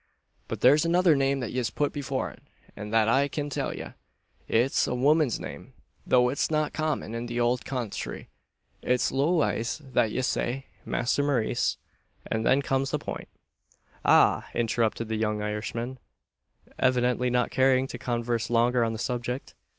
But there's another name that yez phut before it; an that I kyan tell ye. It's a wuman's name, though it's not common in the owld counthry. It's Looaze that ye say, Masther Maurice; an then comes the point." "Ah!" interrupted the young Irishman, evidently not caring to converse longer on the subject.